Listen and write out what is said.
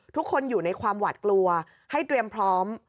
ทุกคนอยู่ในความหวัดกลัวให้เตรียมพร้อม